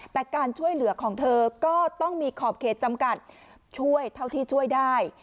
แต่การช่วยเหลือของเธอก็ต้องมีขอบเขตจำกัดช่วยเท่าที่ช่วยได้